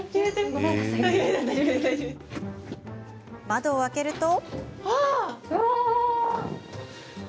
窓を開けると。